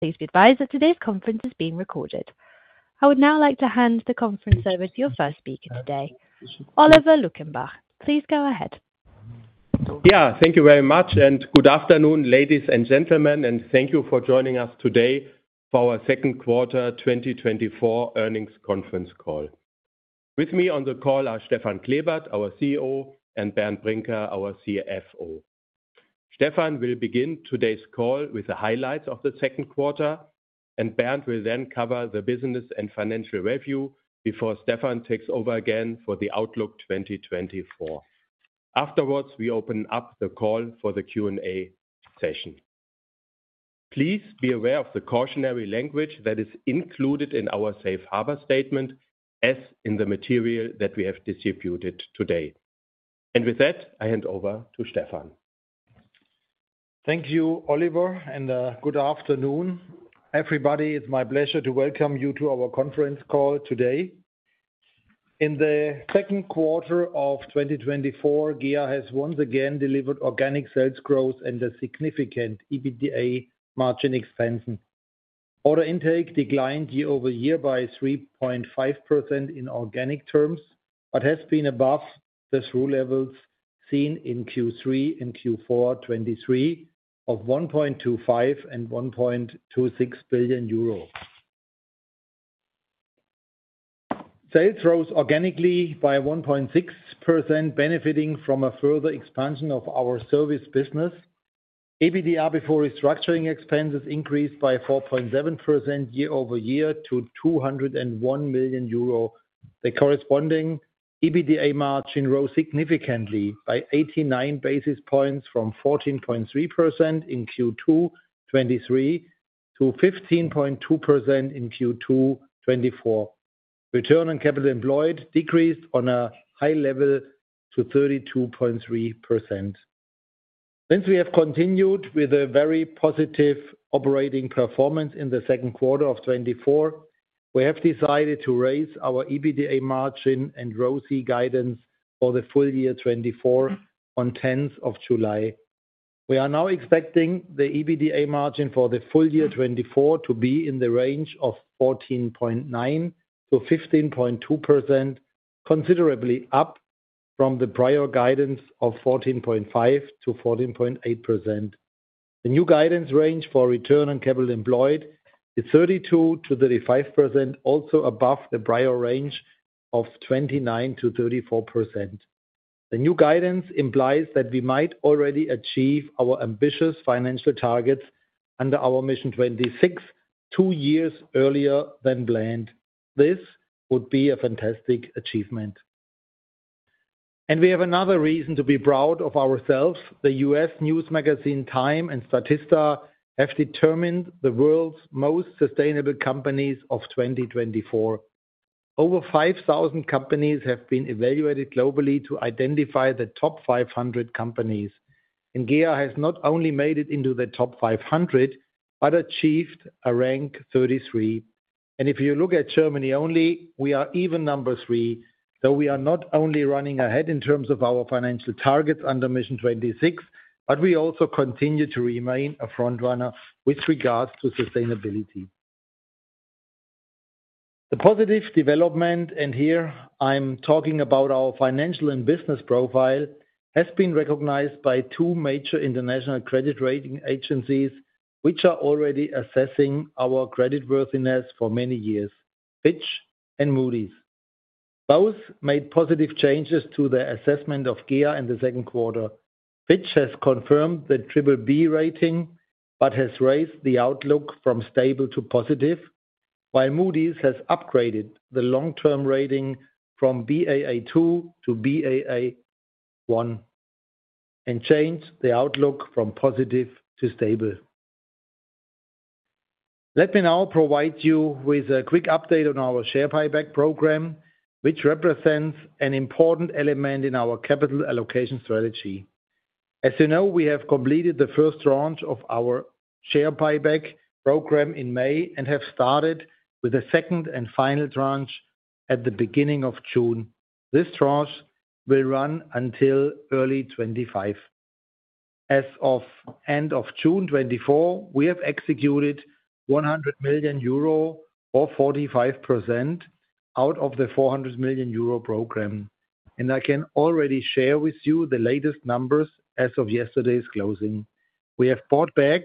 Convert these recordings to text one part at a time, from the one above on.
Please be advised that today's conference is being recorded. I would now like to hand the conference over to your first speaker today, Oliver Luckenbach. Please go ahead. Yeah, thank you very much, and good afternoon, ladies and gentlemen, and thank you for joining us today for our Q2 2024 earnings conference call. With me on the call are Stefan Klebert, our CEO, and Bernd Brinker, our CFO. Stefan will begin today's call with the highlights of the Q2, and Bernd will then cover the business and financial review before Stefan takes over again for the Outlook 2024. Afterwards, we open up the call for the Q&A session. Please be aware of the cautionary language that is included in our safe harbor statement, as in the material that we have distributed today. With that, I hand over to Stefan. Thank you, Oliver, and good afternoon, everybody. It's my pleasure to welcome you to our conference call today. In the Q2 of 2024, GEA has once again delivered organic sales growth and a significant EBITDA margin expansion. Order intake declined year-over-year by 3.5% in organic terms, but has been above the through levels seen in Q3 and Q4 2023 of 1.25 billion and 1.26 billion euro. Sales rose organically by 1.6%, benefiting from a further expansion of our service business. EBITDA before restructuring expenses increased by 4.7% year-over-year to 201 million euro. The corresponding EBITDA margin rose significantly by eighty-nine basis points from 14.3% in Q2 2023 to 15.2% in Q2 2024. Return on capital employed decreased on a high level to 32.3%. Since we have continued with a very positive operating performance in the Q2 of 2024, we have decided to raise our EBITDA margin and ROCE guidance for the full year 2024 on the tenth of July. We are now expecting the EBITDA margin for the full year 2024 to be in the range of 14.9%-15.2%, considerably up from the prior guidance of 14.5%-14.8%. The new guidance range for return on capital employed is 32%-35%, also above the prior range of 29%-34%. The new guidance implies that we might already achieve our ambitious financial targets under our Mission 26, two years earlier than planned. This would be a fantastic achievement. We have another reason to be proud of ourselves. The U.S. news magazine, TIME and Statista, have determined the world's most sustainable companies of 2024. Over 5,000 companies have been evaluated globally to identify the top 500 companies, and GEA has not only made it into the top 500, but achieved a rank 33. If you look at Germany only, we are even number 3, though we are not only running ahead in terms of our financial targets under Mission 26, but we also continue to remain a front runner with regards to sustainability. The positive development, and here I'm talking about our financial and business profile, has been recognized by two major international credit rating agencies, which are already assessing our creditworthiness for many years, Fitch and Moody's. Both made positive changes to their assessment of GEA in the Q2. Fitch has confirmed the BBB rating, but has raised the outlook from stable to positive, while Moody's has upgraded the long-term rating from Baa2 to Baa1, and changed the outlook from positive to stable. Let me now provide you with a quick update on our share buyback program, which represents an important element in our capital allocation strategy. As you know, we have completed the first tranche of our share buyback program in May and have started with the second and final tranche at the beginning of June. This tranche will run until early 2025. As of end of June 2024, we have executed 100 million euro or 45% out of the 400 million euro program, and I can already share with you the latest numbers as of yesterday's closing. We have bought back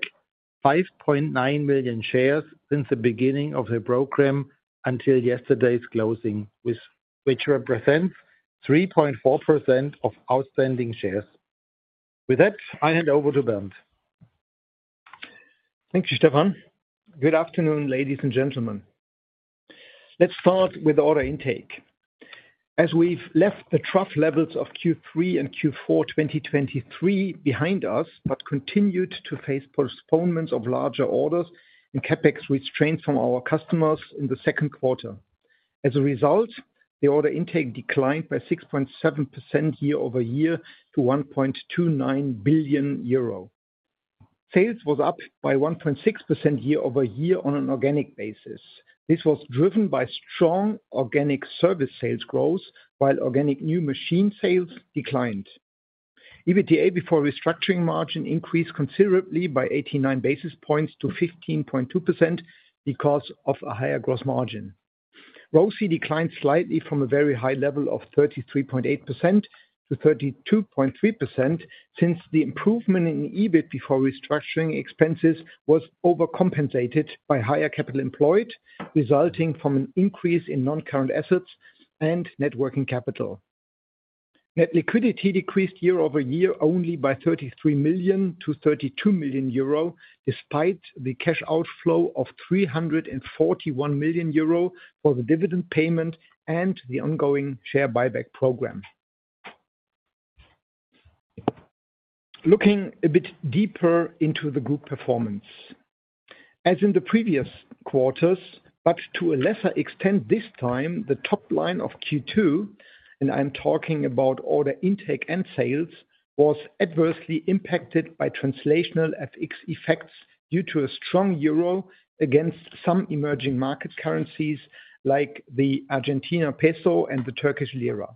5.9 million shares since the beginning of the program until yesterday's closing, which represents 3.4% of outstanding shares. With that, I hand over to Bernd. Thank you, Stefan. Good afternoon, ladies and gentlemen. Let's start with order intake. As we've left the trough levels of Q3 and Q4 2023 behind us, but continued to face postponements of larger orders and CapEx restraints from our customers in the Q2. As a result, the order intake declined by 6.7% year-over-year to 1.29 billion euro. Sales was up by 1.6% year-over-year on an organic basis. This was driven by strong organic service sales growth, while organic new machine sales declined. EBITDA before restructuring margin increased considerably by 89 basis points to 15.2% because of a higher gross margin. ROCE declined slightly from a very high level of 33.8% to 32.3%, since the improvement in EBIT before restructuring expenses was overcompensated by higher capital employed, resulting from an increase in non-current assets and net working capital. Net liquidity decreased year-over-year only by 33 million to 32 million euro, despite the cash outflow of 341 million euro for the dividend payment and the ongoing share buyback program. Looking a bit deeper into the group performance. As in the previous quarters, but to a lesser extent this time, the top line of Q2, and I'm talking about order intake and sales, was adversely impacted by translational FX effects due to a strong euro against some emerging market currencies, like the Argentine peso and the Turkish lira.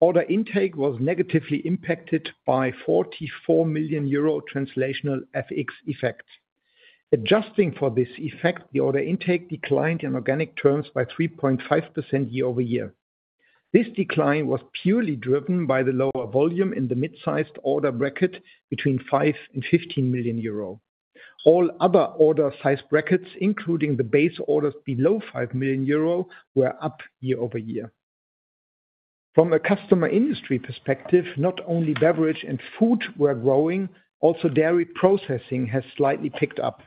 Order intake was negatively impacted by 44 million euro translational FX effects. Adjusting for this effect, the order intake declined in organic terms by 3.5% year-over-year. This decline was purely driven by the lower volume in the mid-sized order bracket between 5 and 15 million euro. All other order size brackets, including the base orders below 5 million euro, were up year-over-year. From a customer industry perspective, not only beverage and food were growing, also dairy processing has slightly picked up.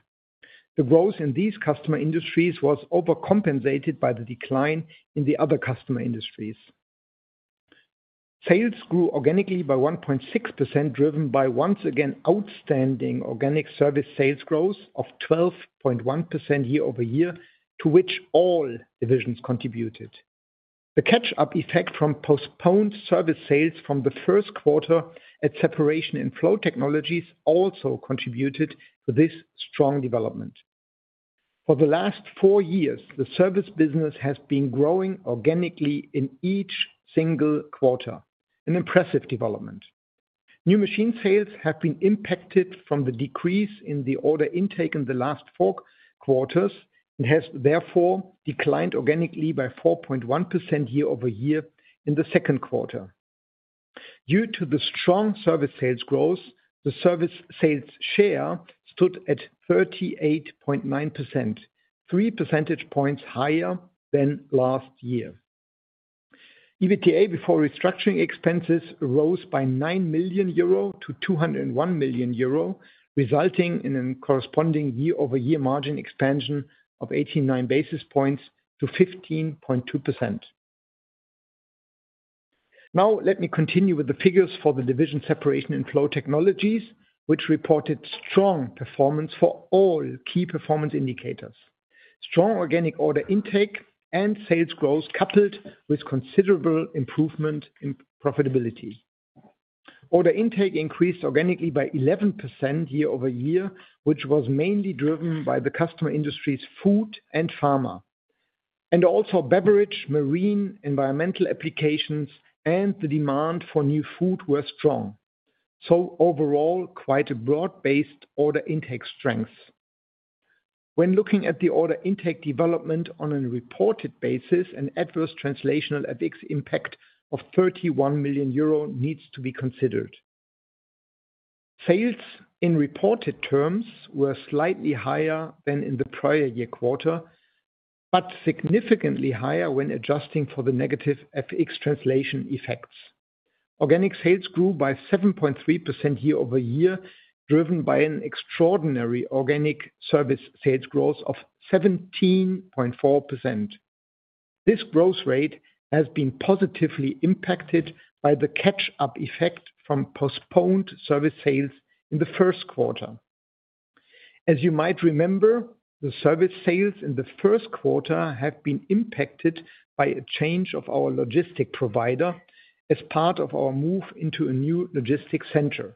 The growth in these customer industries was overcompensated by the decline in the other customer industries. Sales grew organically by 1.6%, driven by, once again, outstanding organic service sales growth of 12.1% year-over-year, to which all divisions contributed. The catch-up effect from postponed service sales from the Q1 at Separation and Flow Technologies also contributed to this strong development. For the last four years, the service business has been growing organically in each single quarter, an impressive development. New machine sales have been impacted from the decrease in the order intake in the last four quarters, and has therefore declined organically by 4.1% year-over-year in the Q2. Due to the strong service sales growth, the service sales share stood at 38.9%, three percentage points higher than last year. EBITDA before restructuring expenses rose by 9 million euro to 201 million euro, resulting in a corresponding year-over-year margin expansion of 89 basis points to 15.2%. Now, let me continue with the figures for the division Separation and Flow Technologies, which reported strong performance for all key performance indicators. Strong organic order intake and sales growth, coupled with considerable improvement in profitability. Order intake increased organically by 11% year-over-year, which was mainly driven by the customer industries, food and pharma. Also beverage, marine, environmental applications, and the demand for new food were strong. Overall, quite a broad-based order intake strength. When looking at the order intake development on a reported basis, an adverse translation effects impact of 31 million euro needs to be considered. Sales in reported terms were slightly higher than in the prior year quarter, but significantly higher when adjusting for the negative FX translation effects. Organic sales grew by 7.3% year-over-year, driven by an extraordinary organic service sales growth of 17.4%. This growth rate has been positively impacted by the catch-up effect from postponed service sales in the Q1. As you might remember, the service sales in the Q1 have been impacted by a change of our logistics provider as part of our move into a new logistics center.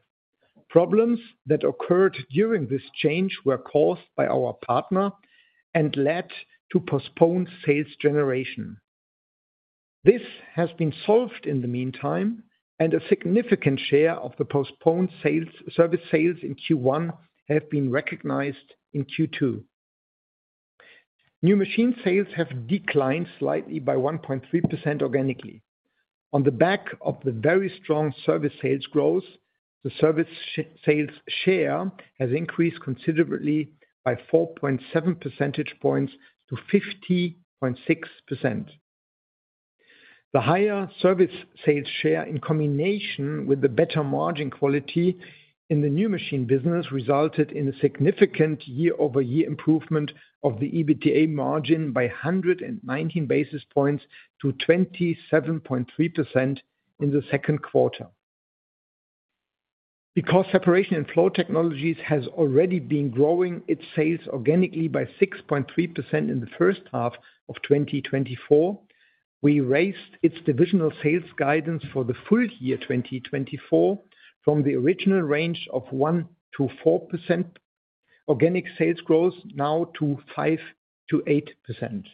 Problems that occurred during this change were caused by our partner and led to postponed service sales generation. This has been solved in the meantime, and a significant share of the postponed service sales in Q1 have been recognized in Q2. New machine sales have declined slightly by 1.3% organically. On the back of the very strong service sales growth, the service sales share has increased considerably by 4.7 percentage points to 50.6%. The higher service sales share, in combination with the better margin quality in the new machine business, resulted in a significant year-over-year improvement of the EBITDA margin by 119 basis points to 27.3% in the Q2. Because Separation and Flow Technologies has already been growing its sales organically by 6.3% in the H1 of 2024, we raised its divisional sales guidance for the full year, 2024, from the original range of 1%-4% organic sales growth, now to 5%-8%....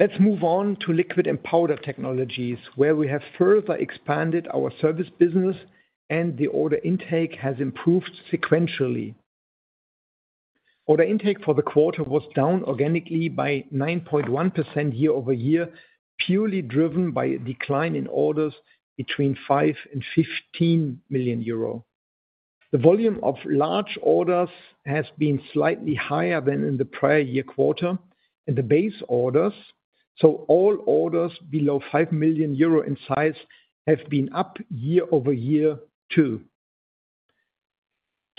Let's move on to Liquid and Powder Technologies, where we have further expanded our service business, and the order intake has improved sequentially. Order intake for the quarter was down organically by 9.1% year-over-year, purely driven by a decline in orders between 5 million and 15 million euro. The volume of large orders has been slightly higher than in the prior year quarter, and the base orders, so all orders below 5 million euro in size, have been up year-over-year, too.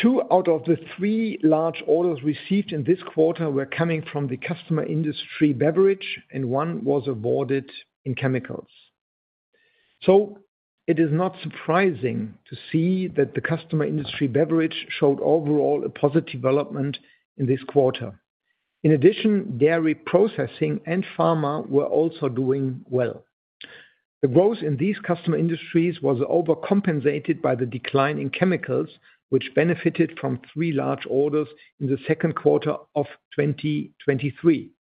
Two out of the three large orders received in this quarter were coming from the customer industry beverage, and one was awarded in chemicals. So it is not surprising to see that the customer industry beverage showed overall a positive development in this quarter. In addition, dairy processing and pharma were also doing well. The growth in these customer industries was overcompensated by the decline in chemicals, which benefited from three large orders in the Q2 of 2023.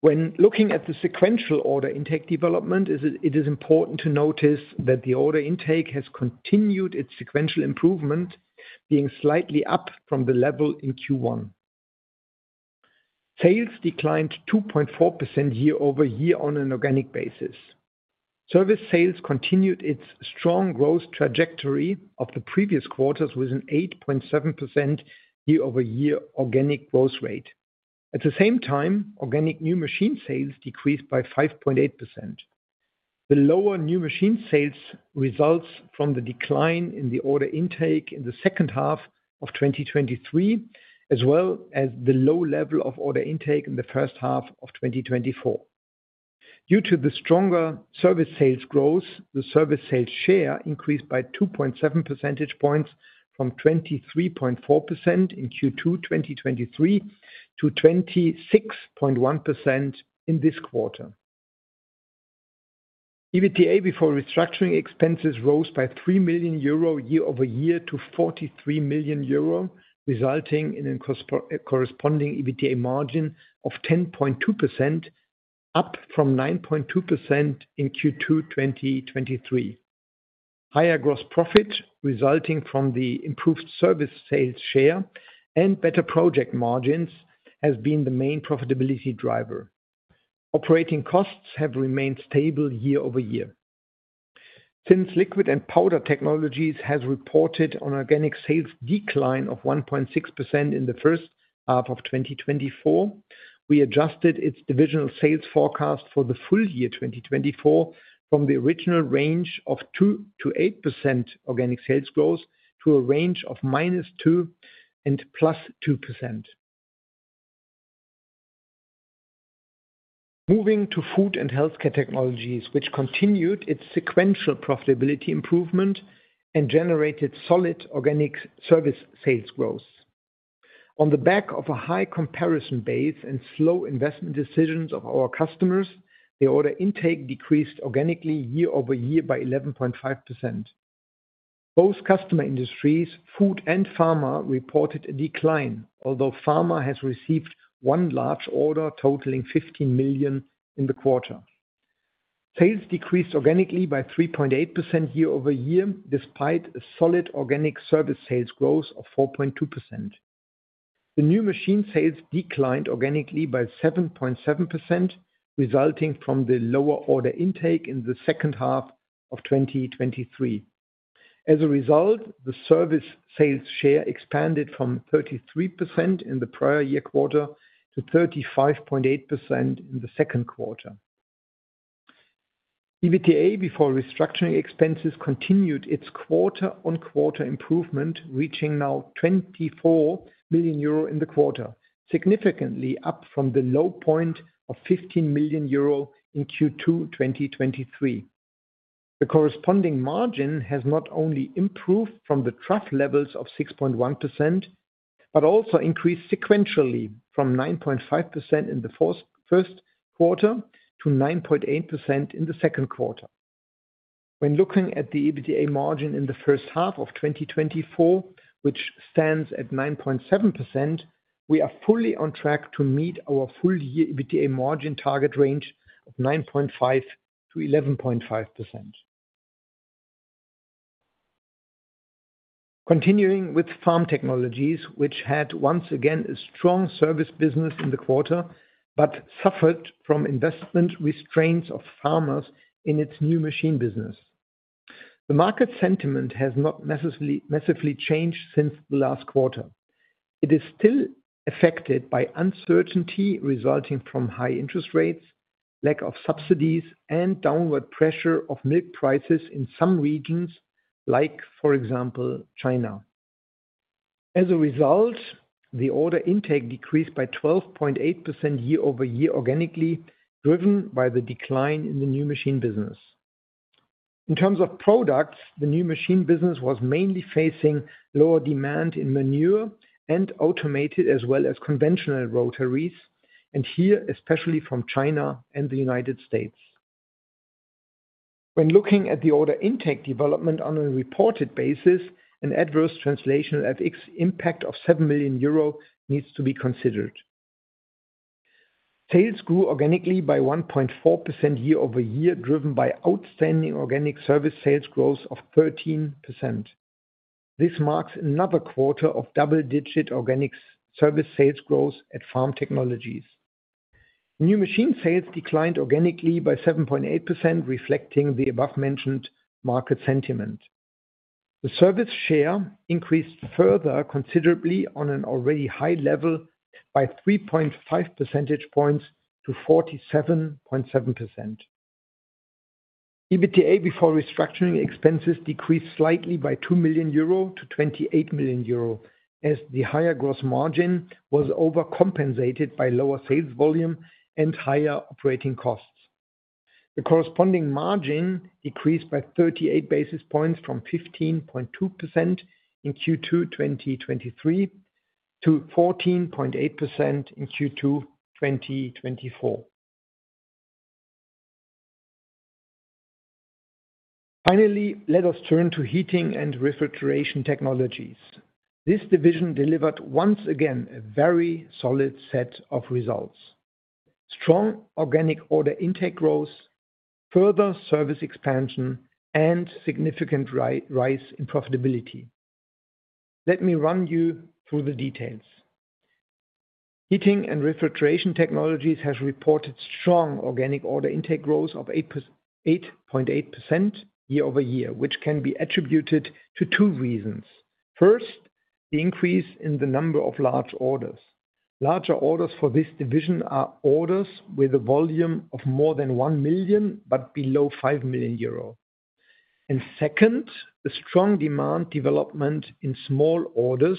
When looking at the sequential order intake development, it is important to notice that the order intake has continued its sequential improvement, being slightly up from the level in Q1. Sales declined 2.4% year-over-year on an organic basis. Service sales continued its strong growth trajectory of the previous quarters, with an 8.7% year-over-year organic growth rate. At the same time, organic new machine sales decreased by 5.8%. The lower new machine sales results from the decline in the order intake in the H2 of 2023, as well as the low level of order intake in the H1 of 2024. Due to the stronger service sales growth, the service sales share increased by 2.7 percentage points, from 23.4% in Q2 2023 to 26.1% in this quarter. EBITDA before restructuring expenses rose by 3 million euro year-over-year to 43 million euro, resulting in a corresponding EBITDA margin of 10.2%, up from 9.2% in Q2 2023. Higher gross profit, resulting from the improved service sales share and better project margins, has been the main profitability driver. Operating costs have remained stable year-over-year. Since Liquid and Powder Technologies has reported an organic sales decline of 1.6% in the H1 of 2024, we adjusted its divisional sales forecast for the full year 2024 from the original range of 2%-8% organic sales growth to a range of -2% to +2%. Moving to Food and Healthcare Technologies, which continued its sequential profitability improvement and generated solid organic service sales growth. On the back of a high comparison base and slow investment decisions of our customers, the order intake decreased organically year-over-year by 11.5%. Both customer industries, food and pharma, reported a decline, although pharma has received one large order totaling 15 million in the quarter. Sales decreased organically by 3.8% year-over-year, despite a solid organic service sales growth of 4.2%. The new machine sales declined organically by 7.7%, resulting from the lower order intake in the H2 of 2023. As a result, the service sales share expanded from 33% in the prior year quarter to 35.8% in the Q2. EBITDA before restructuring expenses continued its quarter-on-quarter improvement, reaching now 24 million euro in the quarter, significantly up from the low point of 15 million euro in Q2 2023. The corresponding margin has not only improved from the trough levels of 6.1%, but also increased sequentially from 9.5% in the Q1 to 9.8% in the Q2. When looking at the EBITDA margin in the H1 of 2024, which stands at 9.7%, we are fully on track to meet our full year EBITDA margin target range of 9.5%-11.5%. Continuing with Farm Technologies, which had once again a strong service business in the quarter, but suffered from investment restraints of farmers in its new machine business. The market sentiment has not massively changed since the last quarter. It is still affected by uncertainty resulting from high interest rates, lack of subsidies, and downward pressure of milk prices in some regions, like, for example, China. As a result, the order intake decreased by 12.8% year-over-year organically, driven by the decline in the new machine business. In terms of products, the new machine business was mainly facing lower demand in manure and automated as well as conventional rotaries, and here, especially from China and the United States. When looking at the order intake development on a reported basis, an adverse translation FX impact of 7 million euro needs to be considered. Sales grew organically by 1.4% year-over-year, driven by outstanding organic service sales growth of 13%. This marks another quarter of double-digit organic service sales growth at Farm Technologies. New machine sales declined organically by 7.8%, reflecting the above mentioned market sentiment. The service share increased further considerably on an already high level by 3.5 percentage points to 47.7%. EBITDA before restructuring expenses decreased slightly by 2 million euro to 28 million euro, as the higher gross margin was overcompensated by lower sales volume and higher operating costs. The corresponding margin decreased by 38 basis points from 15.2% in Q2 2023 to 14.8% in Q2 2024. Finally, let us turn to Heating and Refrigeration Technologies. This division delivered once again a very solid set of results. Strong organic order intake growth, further service expansion, and significant rise in profitability. Let me run you through the details. Heating and Refrigeration Technologies has reported strong organic order intake growth of 8.8% year-over-year, which can be attributed to two reasons. First, the increase in the number of large orders. Larger orders for this division are orders with a volume of more than 1 million, but below 5 million euro. And second, the strong demand development in small orders,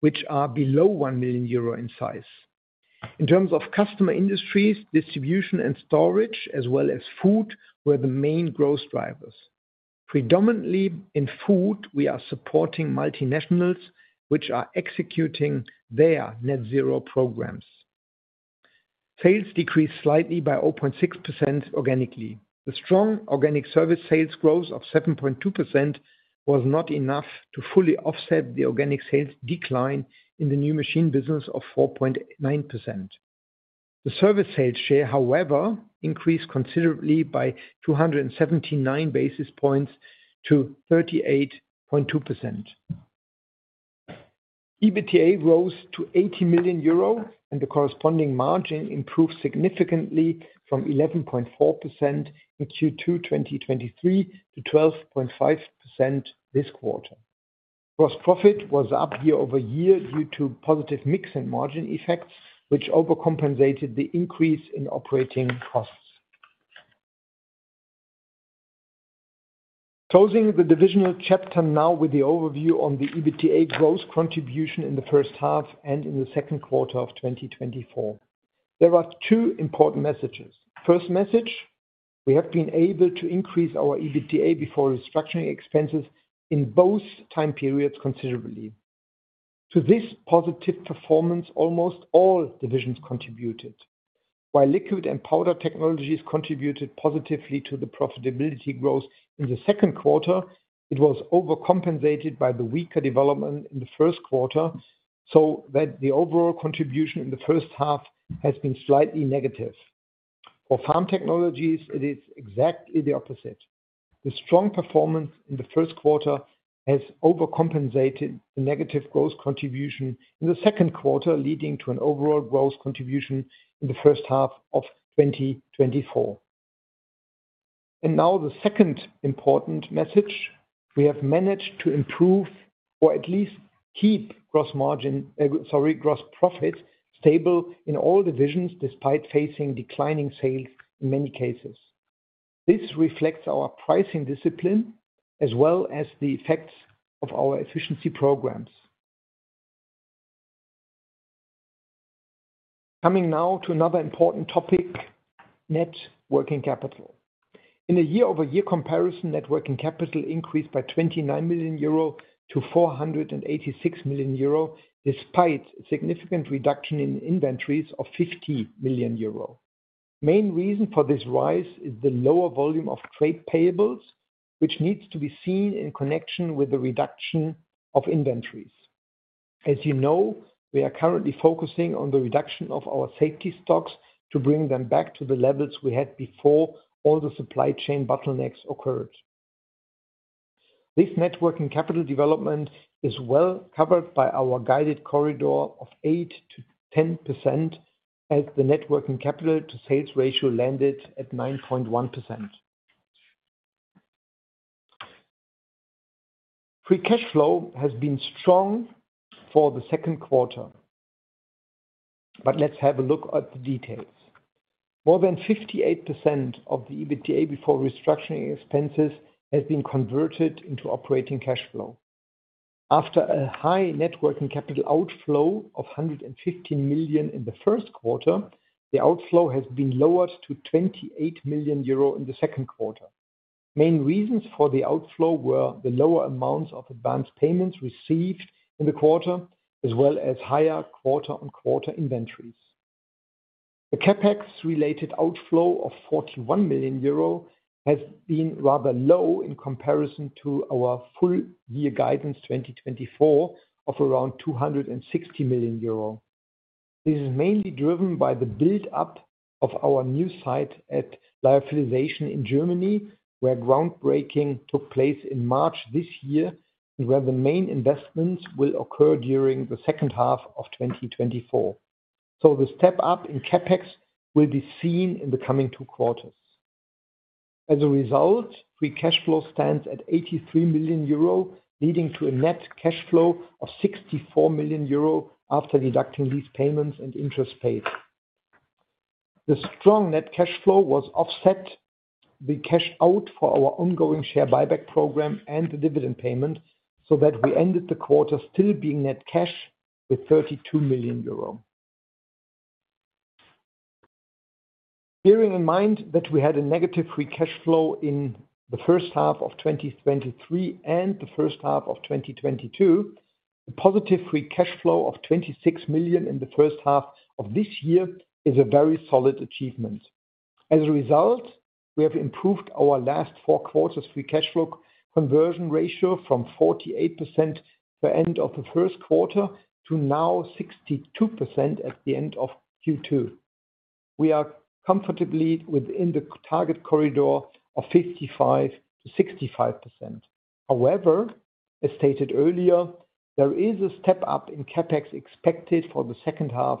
which are below 1 million euro in size. In terms of customer industries, distribution and storage, as well as food, were the main growth drivers. Predominantly in food, we are supporting multinationals, which are executing their net zero programs. Sales decreased slightly by 0.6% organically. The strong organic service sales growth of 7.2% was not enough to fully offset the organic sales decline in the new machine business of 4.9%. The service sales share, however, increased considerably by 279 basis points to 38.2%. EBITDA rose to 80 million euro, and the corresponding margin improved significantly from 11.4% in Q2 2023 to 12.5% this quarter. Gross profit was up year-over-year due to positive mix and margin effects, which overcompensated the increase in operating costs. Closing the divisional chapter now with the overview on the EBITDA growth contribution in the H1 and in the Q2 of 2024. There are two important messages. First message: we have been able to increase our EBITDA before restructuring expenses in both time periods considerably. To this positive performance, almost all divisions contributed. While Liquid and Powder Technologies contributed positively to the profitability growth in the Q2, it was overcompensated by the weaker development in the Q1, so that the overall contribution in the H1 has been slightly negative. For Farm Technologies, it is exactly the opposite. The strong performance in the Q1 has overcompensated the negative growth contribution in the Q2, leading to an overall growth contribution in the H1 of 2024. And now the second important message: we have managed to improve or at least keep gross margin, gross profit stable in all divisions, despite facing declining sales in many cases. This reflects our pricing discipline, as well as the effects of our efficiency programs. Coming now to another important topic, net working capital. In a year-over-year comparison, net working capital increased by 29 million euro to 486 million euro, despite significant reduction in inventories of 50 million euro. Main reason for this rise is the lower volume of trade payables, which needs to be seen in connection with the reduction of inventories. As you know, we are currently focusing on the reduction of our safety stocks to bring them back to the levels we had before all the supply chain bottlenecks occurred. This net working capital development is well covered by our guided corridor of 8%-10%, as the net working capital to sales ratio landed at 9.1%. Free cash flow has been strong for the Q2, but let's have a look at the details. More than 58% of the EBITDA before restructuring expenses has been converted into operating cash flow. After a high net working capital outflow of 115 million in the Q1, the outflow has been lowered to 28 million euro in the Q2. Main reasons for the outflow were the lower amounts of advanced payments received in the quarter, as well as higher quarter-on-quarter inventories.... The CapEx related outflow of 41 million euro has been rather low in comparison to our full year guidance, 2024, of around 260 million euro. This is mainly driven by the build up of our new site at lyophilization in Germany, where groundbreaking took place in March this year, and where the main investments will occur during the H2 of 2024. So the step up in CapEx will be seen in the coming two quarters. As a result, free cash flow stands at 83 million euro, leading to a net cash flow of 64 million euro after deducting these payments and interest paid. The strong net cash flow was offset the cash out for our ongoing share buyback program and the dividend payment, so that we ended the quarter still being net cash with 32 million euro. Bearing in mind that we had a negative free cash flow in the H1 of 2023 and the H1 of 2022, the positive free cash flow of 26 million in the H1 of this year is a very solid achievement. As a result, we have improved our last four quarters free cash flow conversion ratio from 48% the end of the Q1, to now 62% at the end of Q2. We are comfortably within the target corridor of 55%-65%. However, as stated earlier, there is a step up in CapEx expected for the H2 of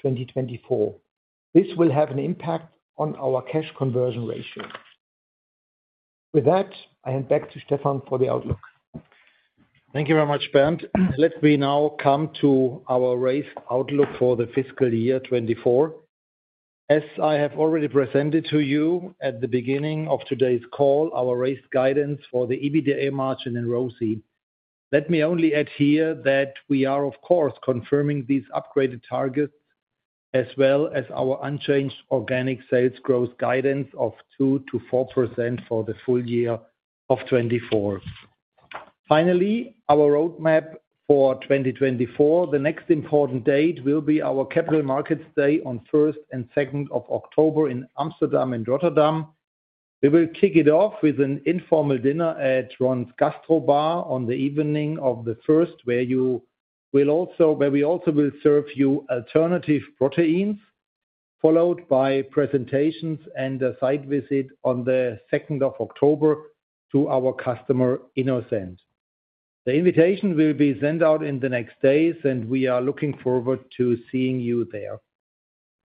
2024. This will have an impact on our cash conversion ratio. With that, I hand back to Stefan for the outlook. Thank you very much, Bernd. Let me now come to our raised outlook for the fiscal year 2024. As I have already presented to you at the beginning of today's call, our raised guidance for the EBITDA margin in ROCE. Let me only add here that we are of course confirming these upgraded targets as well as our unchanged organic sales growth guidance of 2%-4% for the full year of 2024. Finally, our roadmap for 2024. The next important date will be our capital markets day on first and second of October in Amsterdam and Rotterdam. We will kick it off with an informal dinner at Ron Gastrobar on the evening of the first, where we also will serve you alternative proteins, followed by presentations and a site visit on the second of October to our customer, Innocent. The invitation will be sent out in the next days, and we are looking forward to seeing you there.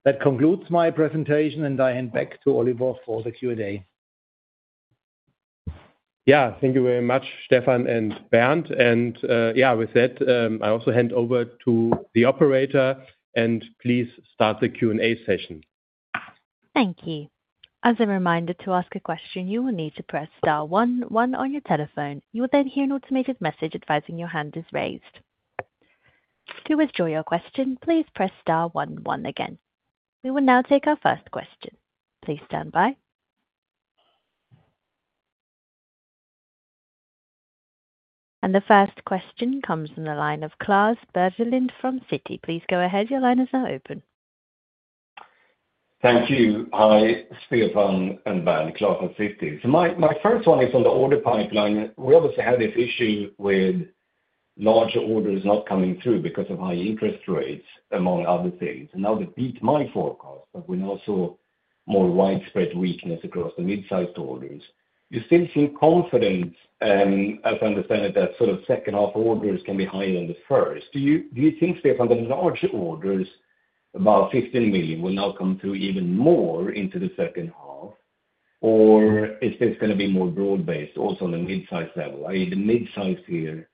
That concludes my presentation, and I hand back to Oliver for the Q&A. Yeah, thank you very much, Stefan and Bernd. And, yeah, with that, I also hand over to the operator, and please start the Q&A session. Thank you. As a reminder, to ask a question, you will need to press star one one on your telephone. You will then hear an automated message advising your hand is raised. To withdraw your question, please press star one one again. We will now take our first question. Please stand by. And the first question comes from the line of Klas Bergelind from Citi. Please go ahead, your line is now open. Thank you. Hi, Stefan and Bernd. Klas from Citi. So my first one is on the order pipeline. We obviously had this issue with larger orders not coming through because of high interest rates, among other things, and now they beat my forecast. But we also more widespread weakness across the mid-sized orders. You still seem confident, and as I understand it, that sort of H2 orders can be higher than the first. Do you think, Stefan, the larger orders, about 15 million, will now come through even more into the H2? Or is this gonna be more broad-based also on the mid-size level, i.e., the mid-size here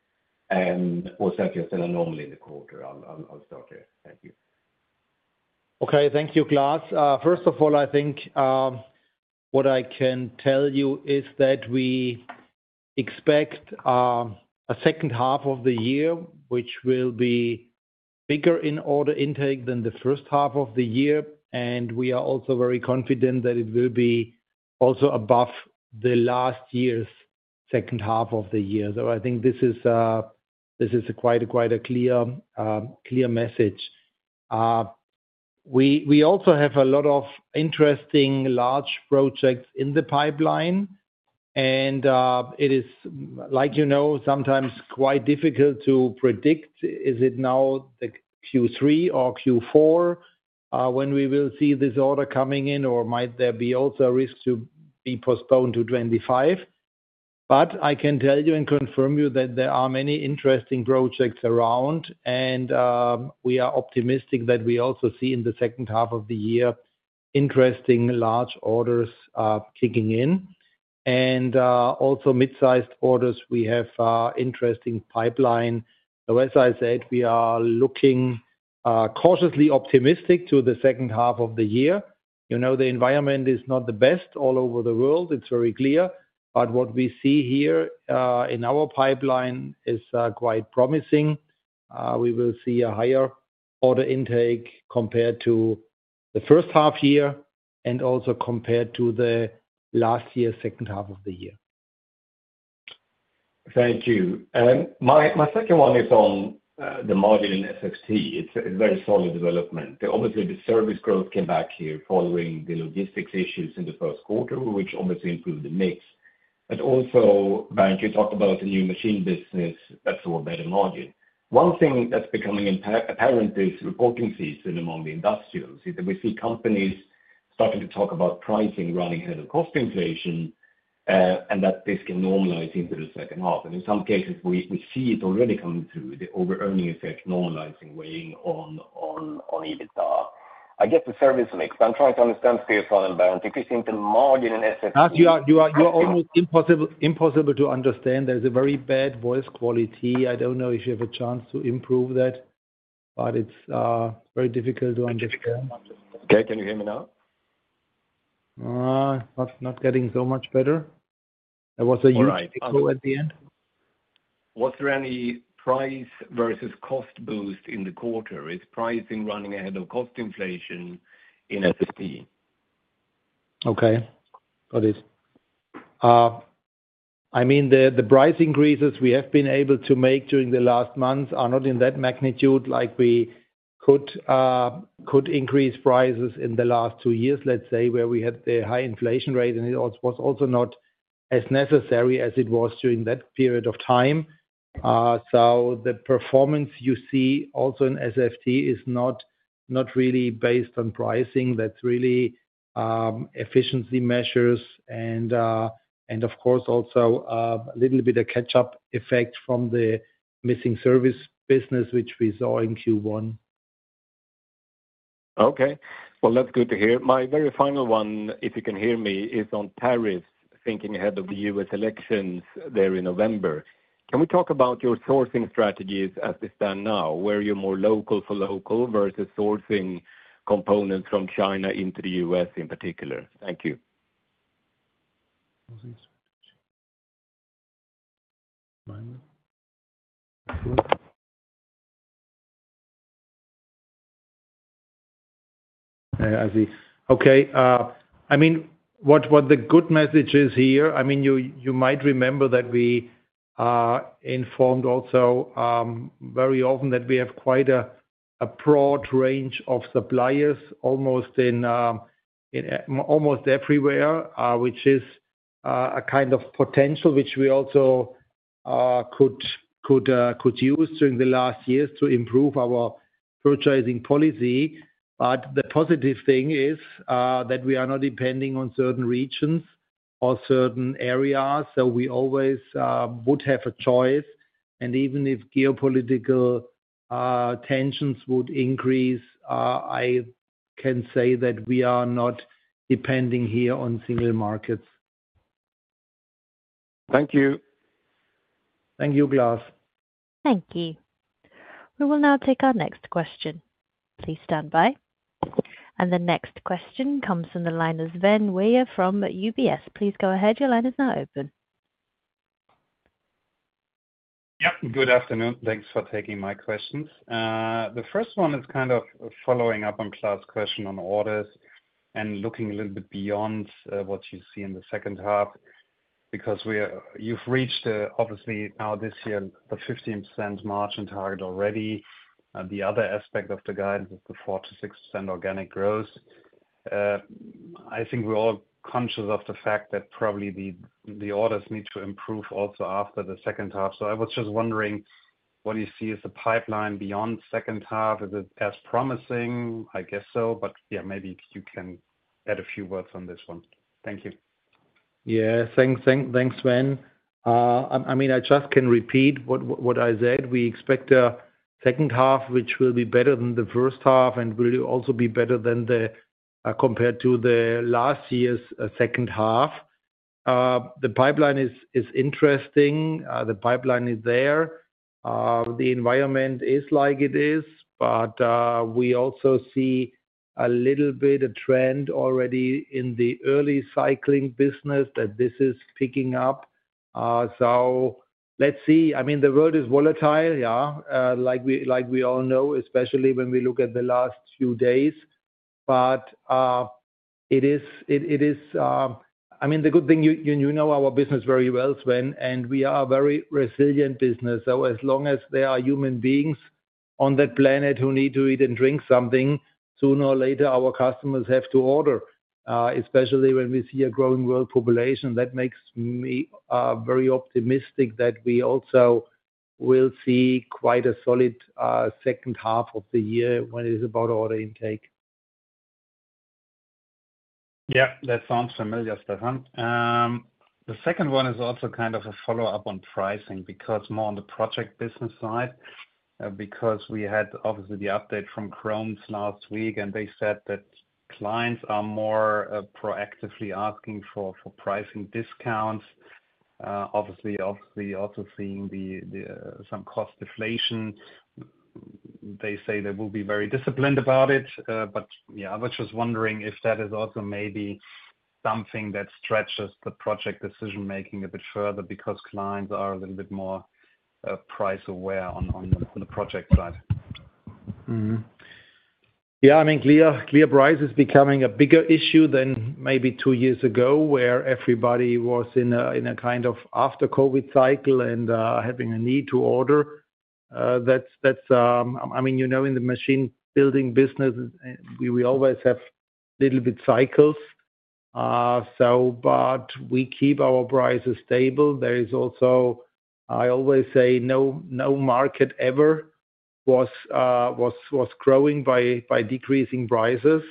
and or sector than are normally in the quarter? I'll start there. Thank you. Okay. Thank you, Klas. First of all, I think what I can tell you is that we expect a H2 of the year, which will be bigger in order intake than the H1 of the year, and we are also very confident that it will be also above the last year's H2 of the year. So I think this is quite, quite a clear message. We also have a lot of interesting large projects in the pipeline, and it is like, you know, sometimes quite difficult to predict. Is it now the Q3 or Q4 when we will see this order coming in, or might there be also a risk to be postponed to 2025? But I can tell you and confirm you that there are many interesting projects around, and we are optimistic that we also see in the H2 of the year interesting large orders kicking in. Also mid-sized orders, we have interesting pipeline. So as I said, we are looking cautiously optimistic to the H2 of the year. You know, the environment is not the best all over the world, it's very clear, but what we see here in our pipeline is quite promising. We will see a higher order intake compared to the H1 year and also compared to the last year, H2 of the year.... Thank you. My second one is on the margin in SFT. It's a very solid development. Obviously, the service growth came back here following the logistics issues in the Q1, which obviously improved the mix. But also, Bernd, you talked about the new machine business that saw a better margin. One thing that's becoming apparent is reporting season among the industrials, is that we see companies starting to talk about pricing running ahead of cost inflation, and that this can normalize into the H2. And in some cases, we see it already coming through, the overearning effect normalizing, weighing on EBITDA. I get the service mix, but I'm trying to understand stay solid balance, increasing the margin in SFT- You are almost impossible to understand. There's a very bad voice quality. I don't know if you have a chance to improve that, but it's very difficult to understand. Okay, can you hear me now? Not getting so much better. There was a huge echo at the end. Was there any price versus cost boost in the quarter? Is pricing running ahead of cost inflation in SFT? Okay. Got it. I mean, the price increases we have been able to make during the last months are not in that magnitude, like we could increase prices in the last two years, let's say, where we had the high inflation rate, and it also was not as necessary as it was during that period of time. So the performance you see also in SFT is not really based on pricing. That's really efficiency measures and, of course, also a little bit of catch-up effect from the missing service business, which we saw in Q1. Okay. Well, that's good to hear. My very final one, if you can hear me, is on tariffs, thinking ahead of the U.S. elections there in November. Can we talk about your sourcing strategies as they stand now, where you're more local for local versus sourcing components from China into the U.S. in particular? Thank you. Okay, I mean, what the good message is here, I mean, you might remember that we informed also very often that we have quite a broad range of suppliers, almost everywhere, which is a kind of potential, which we also could use during the last years to improve our purchasing policy. But the positive thing is that we are not depending on certain regions or certain areas, so we always would have a choice. And even if geopolitical tensions would increase, I can say that we are not depending here on single markets. Thank you. Thank you, Klas. Thank you. We will now take our next question. Please stand by. The next question comes from the line of Sven Weier from UBS. Please go ahead. Your line is now open. Yep. Good afternoon. Thanks for taking my questions. The first one is kind of following up on Klas' question on orders and looking a little bit beyond what you see in the H2, because we are—you've reached, obviously now this year, the 15% margin target already. The other aspect of the guide is the 4%-6% organic growth. I think we're all conscious of the fact that probably the orders need to improve also after the H2. So I was just wondering, what do you see as the pipeline beyond H2? Is it as promising? I guess so, but yeah, maybe you can add a few words on this one. Thank you. Yeah. Thanks, Sven. I mean, I just can repeat what I said. We expect a H2, which will be better than the H1 and will also be better than compared to the last year's H2. The pipeline is interesting. The pipeline is there. The environment is like it is, but we also see a little bit of trend already in the early cycling business, that this is picking up. So let's see. I mean, the world is volatile, yeah, like we all know, especially when we look at the last few days. But it is... I mean, the good thing, you know our business very well, Sven, and we are a very resilient business. As long as there are human beings on the planet who need to eat and drink something, sooner or later, our customers have to order, especially when we see a growing world population. That makes me very optimistic that we also will see quite a solid H2 of the year when it is about order intake. Yeah, that sounds familiar, Stefan. The second one is also kind of a follow-up on pricing, because more on the project business side, because we had obviously the update from Krones last week, and they said that clients are more proactively asking for pricing discounts. Obviously also seeing some cost deflation. They say they will be very disciplined about it, but yeah, I was just wondering if that is also maybe something that stretches the project decision-making a bit further because clients are a little bit more price aware on the project side? Yeah, I mean, clear price is becoming a bigger issue than maybe two years ago, where everybody was in a kind of after COVID cycle and having a need to order. That's, I mean, you know, in the machine building business, we always have little bit cycles. So but we keep our prices stable. There is also. I always say, no market ever was growing by decreasing prices,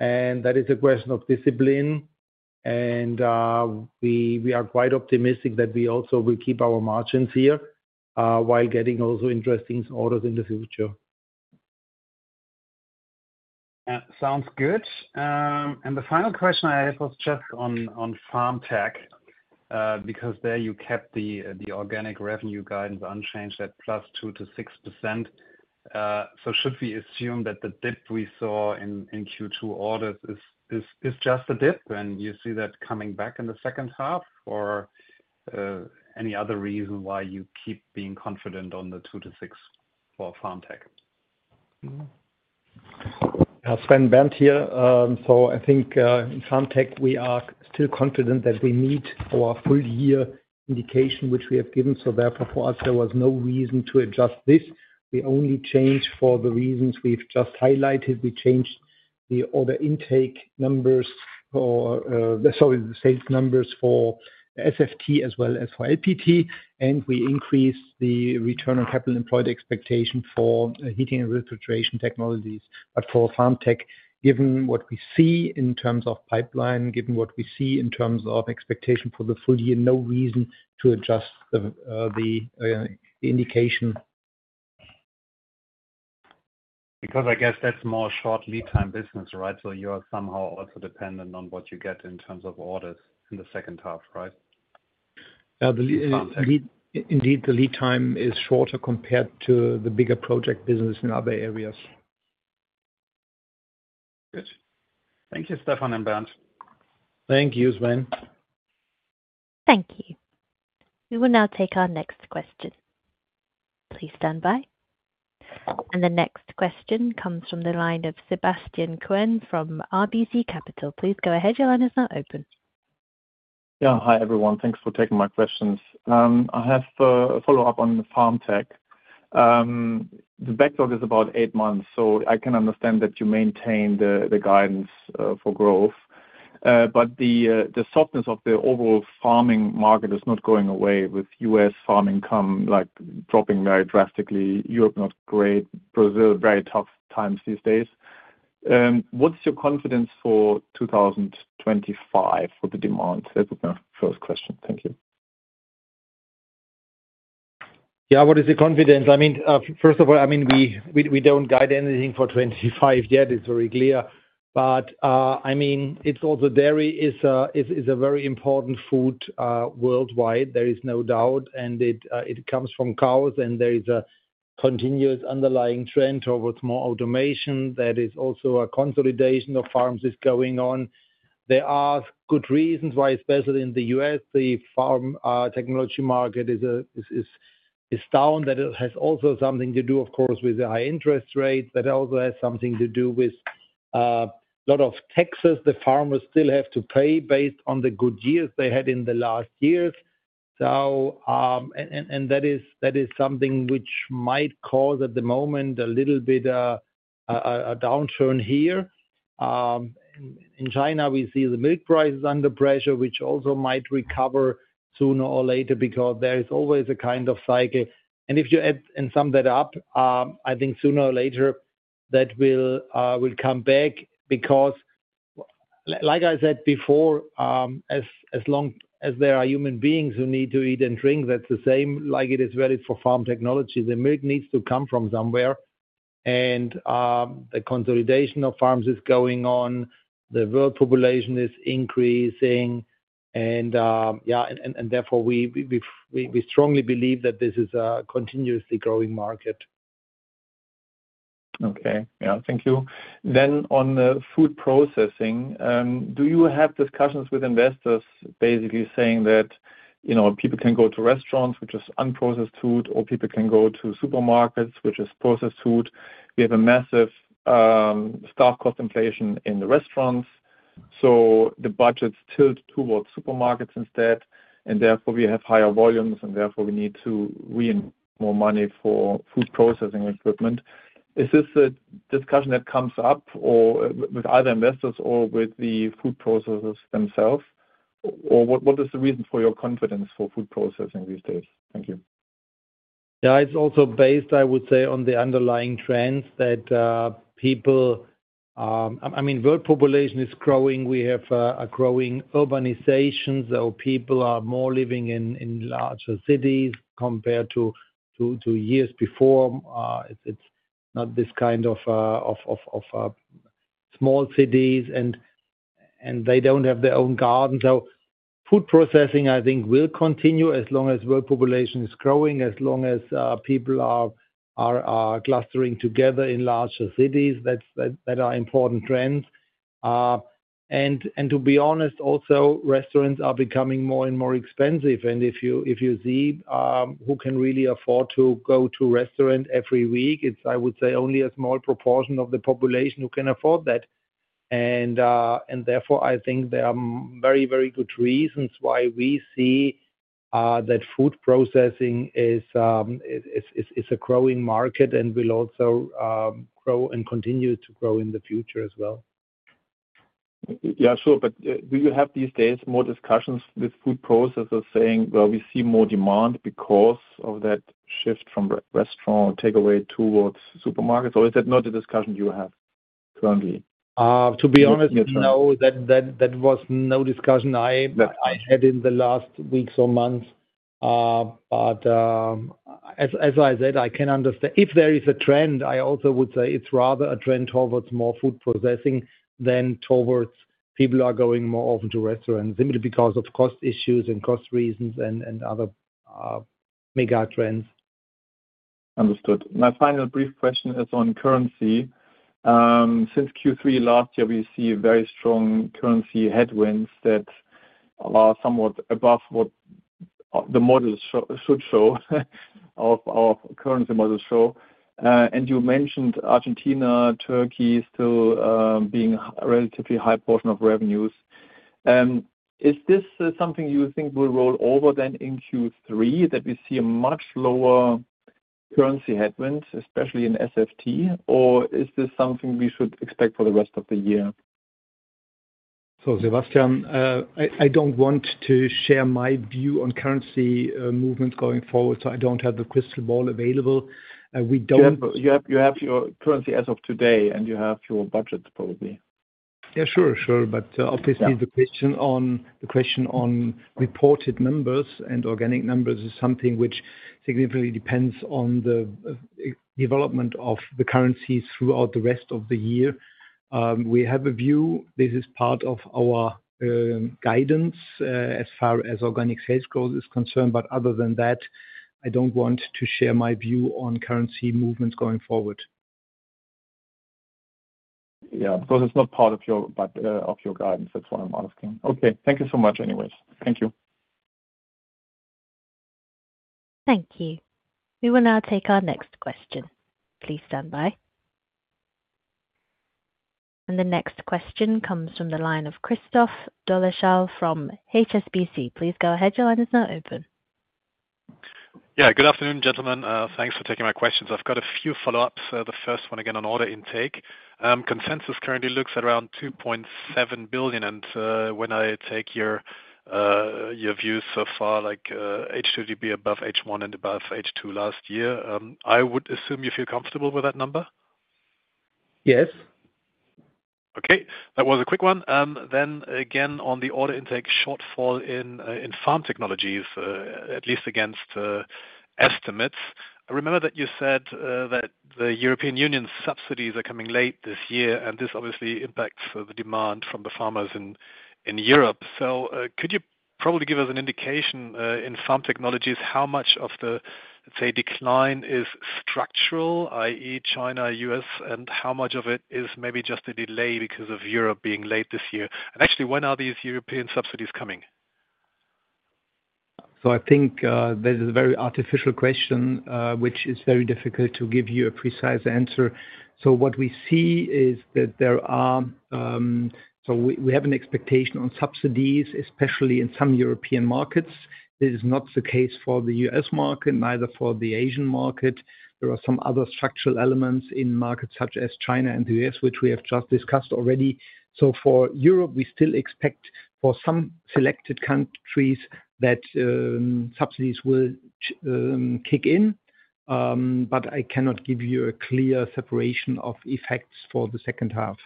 and that is a question of discipline, and we are quite optimistic that we also will keep our margins here while getting also interesting orders in the future. Sounds good. And the final question I had was just on FarmTech, because there you kept the organic revenue guidance unchanged at +2%-6%. So should we assume that the dip we saw in Q2 orders is just a dip, and you see that coming back in the H2? Or any other reason why you keep being confident on the 2%-6% for FarmTech? So, Bernd here. So I think, in FarmTech, we are still confident that we meet our full year indication, which we have given, so therefore, for us, there was no reason to adjust this. We only changed for the reasons we've just highlighted. We changed the order intake numbers for, sorry, the sales numbers for SFT as well as for LPT, and we increased the return on capital employed expectation for heating and refrigeration technologies. But for FarmTech, given what we see in terms of pipeline, given what we see in terms of expectation for the full year, no reason to adjust the indication. Because I guess that's more short lead time business, right? So you are somehow also dependent on what you get in terms of orders in the H2, right? Yeah, indeed, the lead time is shorter compared to the bigger project business in other areas. Good. Thank you, Stefan and Bernd. Thank you, Sven. Thank you. We will now take our next question. Please stand by. The next question comes from the line of Sebastian Kuenne from RBC Capital. Please go ahead. Your line is now open. Yeah. Hi, everyone. Thanks for taking my questions. I have a follow-up on the FarmTech. The backlog is about eight months, so I can understand that you maintain the, the guidance for growth. But the, the softness of the overall farming market is not going away with U.S. farm income, like, dropping very drastically, Europe, not great, Brazil, very tough times these days. What's your confidence for 2025 for the demand? That was my first question. Thank you. Yeah, what is the confidence? I mean, first of all, I mean, we don't guide anything for 25 yet, it's very clear. But, I mean, it's also dairy is a very important food worldwide, there is no doubt, and it comes from cows, and there is a continuous underlying trend towards more automation. There is also a consolidation of farms is going on. There are good reasons why, especially in the U.S., the farm technology market is down. That it has also something to do, of course, with the high interest rates, that also has something to do with a lot of taxes the farmers still have to pay based on the good years they had in the last years. So, that is something which might cause, at the moment, a little bit a downturn here. In China, we see the milk price is under pressure, which also might recover sooner or later because there is always a kind of cycle. And if you add and sum that up, I think sooner or later that will come back because like I said before, as long as there are human beings who need to eat and drink, that's the same, like it is valid for farm technology. The milk needs to come from somewhere, and the consolidation of farms is going on, the world population is increasing, and therefore, we strongly believe that this is a continuously growing market. Okay. Yeah. Thank you. Then on the food processing, do you have discussions with investors basically saying that, you know, people can go to restaurants, which is unprocessed food, or people can go to supermarkets, which is processed food? We have a massive staff cost inflation in the restaurants, so the budgets tilt towards supermarkets instead, and therefore we have higher volumes, and therefore we need to reinvest more money for food processing equipment. Is this a discussion that comes up or with other investors or with the food processors themselves, or what, what is the reason for your confidence for food processing these days? Thank you. Yeah, it's also based, I would say, on the underlying trends that people, I mean, world population is growing. We have a growing urbanizations, so people are more living in larger cities compared to years before. It's not this kind of small cities, and they don't have their own garden. So food processing, I think, will continue as long as world population is growing, as long as people are clustering together in larger cities. That are important trends. And to be honest, also, restaurants are becoming more and more expensive. And if you see who can really afford to go to restaurant every week, it's, I would say, only a small proportion of the population who can afford that. Therefore, I think there are very, very good reasons why we see that food processing is a growing market and will also grow and continue to grow in the future as well. Yeah, sure. But, do you have these days more discussions with food processors saying, "Well, we see more demand because of that shift from restaurant or takeaway towards supermarkets?" Or is that not a discussion you have currently? To be honest, no. That was no discussion I- Right... I had in the last weeks or months. But, as I said, I can understand. If there is a trend, I also would say it's rather a trend towards more food processing than towards people are going more often to restaurants, simply because of cost issues and cost reasons and other mega trends. Understood. My final brief question is on currency. Since Q3 last year, we see very strong currency headwinds that are somewhat above what the models should show, of our currency models show. And you mentioned Argentina, Turkey still being relatively high portion of revenues. Is this something you think will roll over then in Q3, that we see a much lower currency headwinds, especially in SFT? Or is this something we should expect for the rest of the year? So, Sebastian, I don't want to share my view on currency movement going forward, so I don't have the crystal ball available. We don't- You have your currency as of today, and you have your budget probably. Yeah, sure, sure. But, obviously- Yeah... the question on, the question on reported numbers and organic numbers is something which significantly depends on the development of the currencies throughout the rest of the year. We have a view, this is part of our guidance, as far as organic sales growth is concerned. But other than that, I don't want to share my view on currency movements going forward. Yeah, because it's not part of your of your guidance. That's what I'm asking. Okay, thank you so much anyways. Thank you. Thank you. We will now take our next question. Please stand by. The next question comes from the line of Christoph Dolleschal from HSBC. Please go ahead, your line is now open. Yeah, good afternoon, gentlemen. Thanks for taking my questions. I've got a few follow-ups. The first one, again, on order intake. Consensus currently looks around 2.7 billion, and, when I take your, your view so far, like, H2 to be above H1 and above H2 last year, I would assume you feel comfortable with that number? Yes. Okay, that was a quick one. Then again, on the order intake shortfall in Farm Technologies, at least against estimates. I remember that you said that the European Union subsidies are coming late this year, and this obviously impacts the demand from the farmers in Europe. So, could you probably give us an indication in Farm Technologies, how much of the, say, decline is structural, i.e., China, U.S., and how much of it is maybe just a delay because of Europe being late this year? And actually, when are these European subsidies coming? So I think, this is a very artificial question, which is very difficult to give you a precise answer. So what we see is that there are... So we, we have an expectation on subsidies, especially in some European markets. This is not the case for the U.S. market, neither for the Asian market. There are some other structural elements in markets such as China and the U.S., which we have just discussed already. So for Europe, we still expect, for some selected countries that, subsidies will kick in, but I cannot give you a clear separation of effects for the H2.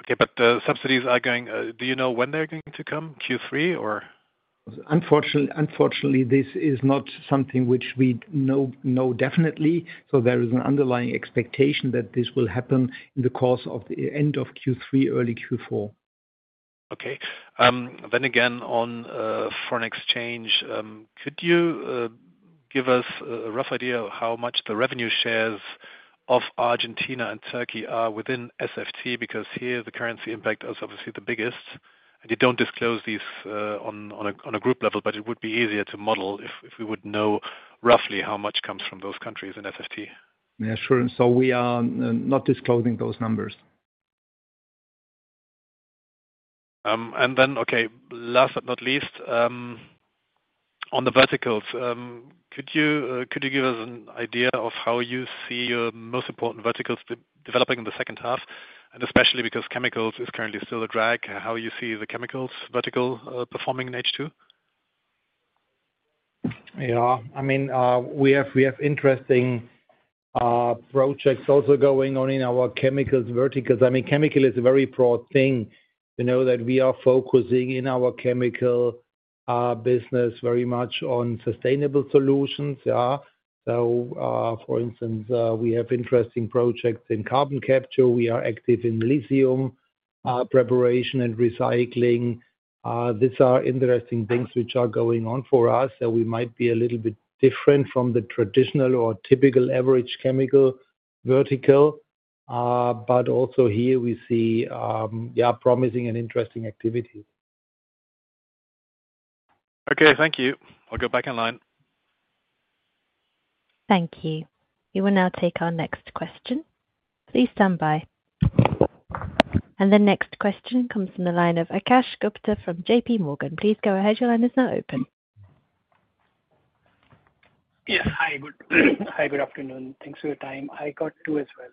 Okay, but the subsidies are going... Do you know when they're going to come, Q3 or? Unfortunately, this is not something which we know definitely, so there is an underlying expectation that this will happen in the course of the end of Q3, early Q4. Okay. Then again, on foreign exchange, could you give us a rough idea of how much the revenue shares of Argentina and Turkey are within SFT? Because here, the currency impact is obviously the biggest, and you don't disclose these on a group level, but it would be easier to model if we would know roughly how much comes from those countries in SFT. Yeah, sure. So we are not disclosing those numbers. And then, okay, last but not least, on the verticals, could you give us an idea of how you see your most important verticals developing in the H2? And especially because chemicals is currently still a drag, how you see the chemicals vertical performing in H2? Yeah. I mean, we have interesting projects also going on in our chemicals verticals. I mean, chemical is a very broad thing. We know that we are focusing in our chemical business very much on sustainable solutions. Yeah. So, for instance, we have interesting projects in carbon capture. We are active in lithium preparation and recycling. These are interesting things which are going on for us, so we might be a little bit different from the traditional or typical average chemical vertical. But also here we see, yeah, promising and interesting activity. Okay, thank you. I'll go back in line. Thank you. We will now take our next question. Please stand by. The next question comes from the line of Akash Gupta from JPMorgan. Please go ahead. Your line is now open. Yeah. Hi, good afternoon. Thanks for your time. I got two as well,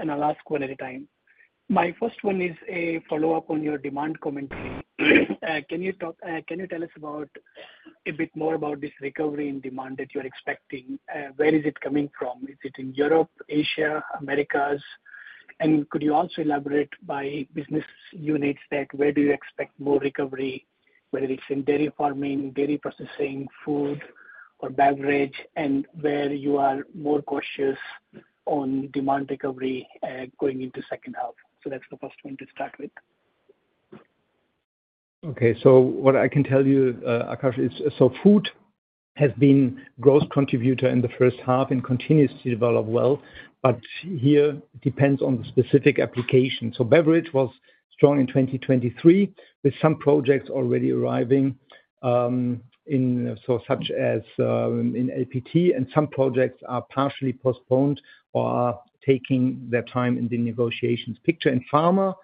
and I'll ask one at a time. My first one is a follow-up on your demand commentary. Can you tell us about a bit more about this recovery in demand that you're expecting? Where is it coming from? Is it in Europe, Asia, Americas? And could you also elaborate by business units that where do you expect more recovery, whether it's in dairy farming, dairy processing, food or beverage, and where you are more cautious on demand recovery, going into H2? So that's the first one to start with. Okay. So what I can tell you, Akash, is so food has been gross contributor in the H1 and continues to develop well, but here it depends on the specific application. So beverage was strong in 2023, with some projects already arriving, such as in LPT and some projects are partially postponed or are taking their time in the negotiations. Picture in pharma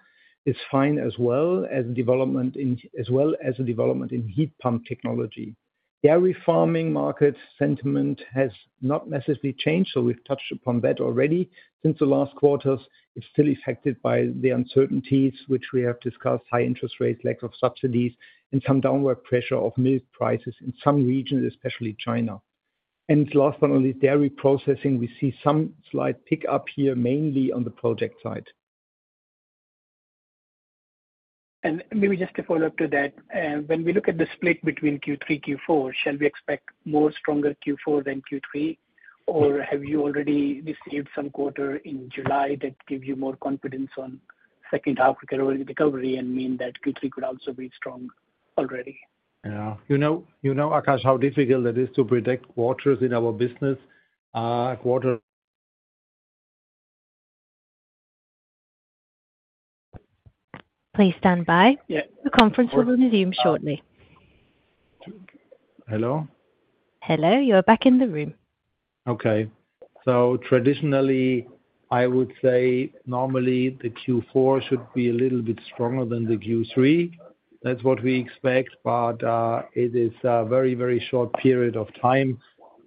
is fine, as well as the development in heat pump technology. Dairy farming market sentiment has not necessarily changed, so we've touched upon that already since the last quarters. It's still affected by the uncertainties which we have discussed, high interest rates, lack of subsidies, and some downward pressure of milk prices in some regions, especially China. Last but not least, dairy processing, we see some slight pick up here, mainly on the project side. Maybe just a follow-up to that. When we look at the split between Q3, Q4, shall we expect more stronger Q4 than Q3? Or have you already received some quarter in July that gives you more confidence on H2 recovery and mean that Q3 could also be strong already? Yeah. You know, you know, Akash, how difficult it is to predict quarters in our business. Quarter- Please stand by. Yeah. The conference will resume shortly. Hello? Hello, you are back in the room. Okay. So traditionally, I would say normally the Q4 should be a little bit stronger than the Q3. That's what we expect, but it is a very, very short period of time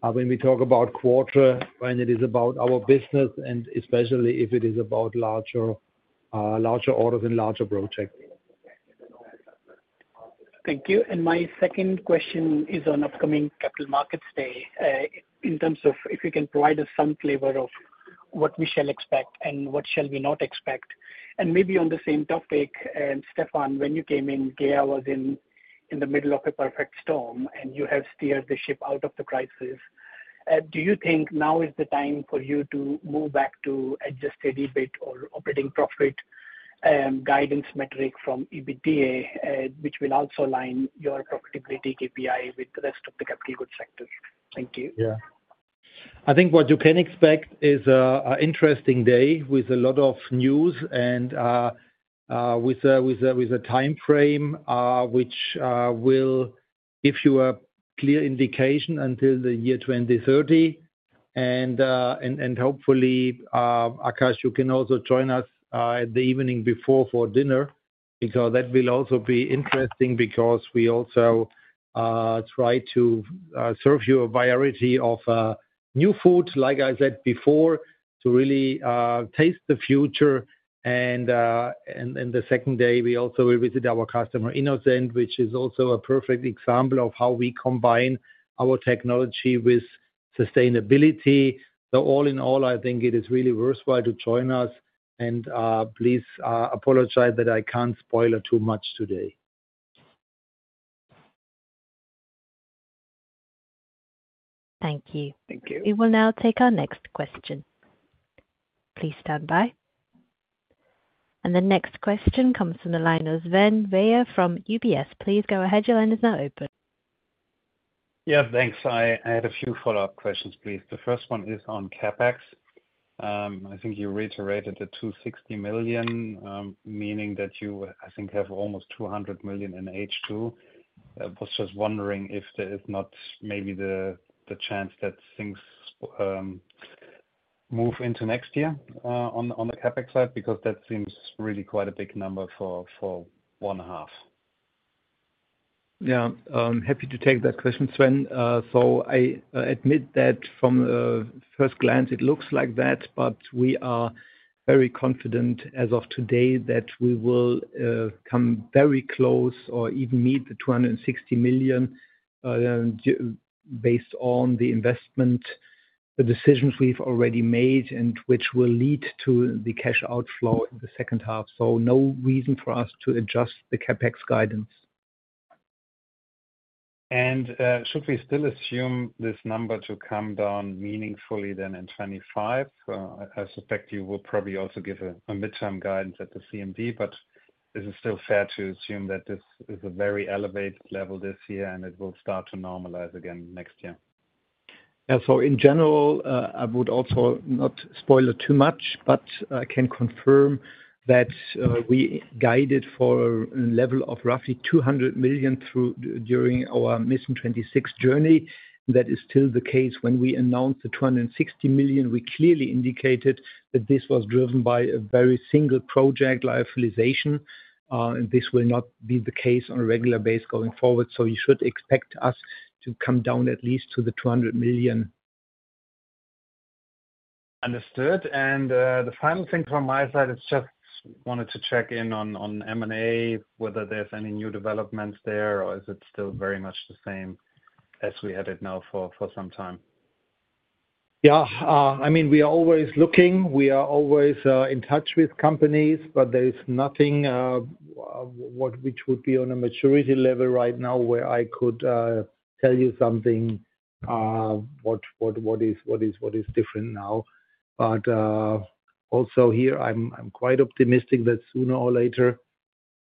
when we talk about quarter, when it is about our business, and especially if it is about larger, larger orders and larger projects. Thank you. My second question is on upcoming capital markets day. In terms of if you can provide us some flavor of what we shall expect and what shall we not expect? And maybe on the same topic, and Stefan, when you came in, GEA was in the middle of a perfect storm, and you have steered the ship out of the crisis. Do you think now is the time for you to move back to adjusted EBIT or operating profit guidance metric from EBITDA, which will also align your profitability KPI with the rest of the capital goods sector? Thank you. Yeah. I think what you can expect is an interesting day with a lot of news and with a time frame which will give you a clear indication until the year 2030. And hopefully, Akash, you can also join us the evening before for dinner, because that will also be interesting because we also try to serve you a variety of new food, like I said before, to really taste the future. And the second day, we also will visit our customer, Innocent, which is also a perfect example of how we combine our technology with sustainability. So all in all, I think it is really worthwhile to join us and please apologize that I can't spoiler too much today. Thank you. Thank you. We will now take our next question. Please stand by. The next question comes from the line of Sven Weier from UBS. Please go ahead. Your line is now open. Yeah, thanks. I, I had a few follow-up questions, please. The first one is on CapEx. I think you reiterated the 260 million, meaning that you, I think, have almost 200 million in H2. I was just wondering if there is not maybe the, the chance that things move into next year, on the, on the CapEx side, because that seems really quite a big number for, for one half. Yeah, I'm happy to take that question, Sven. So I admit that from first glance it looks like that, but we are very confident as of today that we will come very close or even meet 260 million based on the investment, the decisions we've already made and which will lead to the cash outflow in the H2. So no reason for us to adjust the CapEx guidance.... Should we still assume this number to come down meaningfully then in 2025? I suspect you will probably also give a midterm guidance at the CMD, but is it still fair to assume that this is a very elevated level this year, and it will start to normalize again next year? Yeah, so in general, I would also not spoil it too much, but I can confirm that, we guided for a level of roughly 200 million through, during our Mission 26 journey. That is still the case. When we announced the 260 million, we clearly indicated that this was driven by a very single project, lyophilization, and this will not be the case on a regular basis going forward. So you should expect us to come down at least to the 200 million. Understood. And, the final thing from my side is just wanted to check in on M&A, whether there's any new developments there, or is it still very much the same as we had it now for some time? Yeah. I mean, we are always looking. We are always in touch with companies, but there is nothing which would be on a maturity level right now where I could tell you something what is different now. But also here, I'm quite optimistic that sooner or later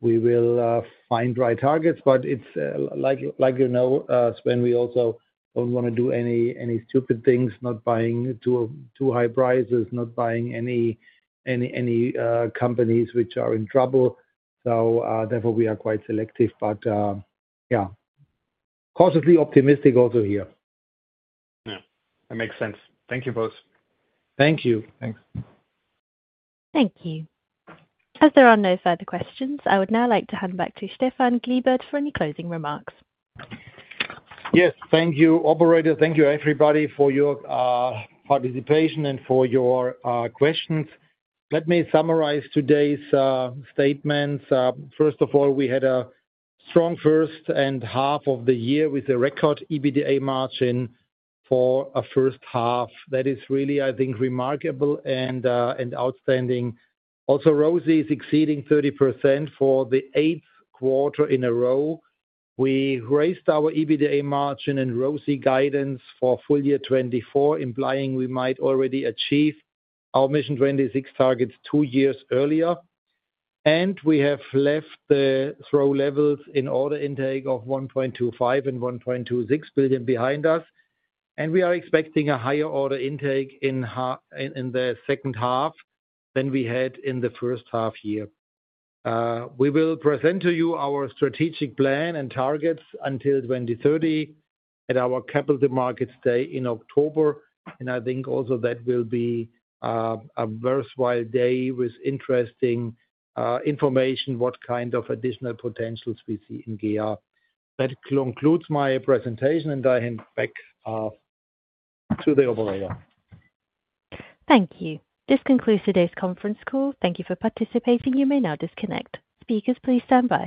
we will find right targets. But it's like, you know, Sven, we also don't wanna do any stupid things, not buying too high prices, not buying any companies which are in trouble. So therefore, we are quite selective, but yeah, cautiously optimistic also here. Yeah, that makes sense. Thank you both. Thank you. Thanks. Thank you. As there are no further questions, I would now like to hand back to Stefan Klebert for any closing remarks. Yes, thank you, operator. Thank you, everybody, for your participation and for your questions. Let me summarize today's statements. First of all, we had a strong H1 of the year with a record EBITDA margin for a H1. That is really, I think, remarkable and outstanding. Also, ROCE is exceeding 30% for the eighth quarter in a row. We raised our EBITDA margin and ROCE guidance for full year 2024, implying we might already achieve our Mission 26 targets two years earlier. And we have left the trough levels in order intake of 1.25 billion and 1.26 billion behind us, and we are expecting a higher order intake in the H2 than we had in the H1 year. We will present to you our strategic plan and targets until 2030 at our Capital Markets Day in October, and I think also that will be a worthwhile day with interesting information, what kind of additional potentials we see in GEA. That concludes my presentation, and I hand back to the operator. Thank you. This concludes today's conference call. Thank you for participating. You may now disconnect. Speakers, please stand by.